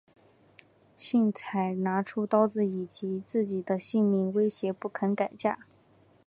荀采拿出刀子以自己的性命威胁不肯改嫁。